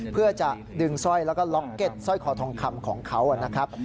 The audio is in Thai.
เพื่อจะดึงสร้อยแล้วก็ล็อกเก็ตสร้อยคอทองคำของเขานะครับ